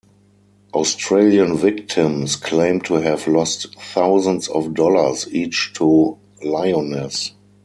Australian victims claim to have lost thousands of dollars each to Lyoness.